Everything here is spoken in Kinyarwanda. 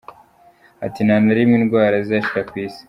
Ati “Nta na rimwe indwara zizashira ku isi.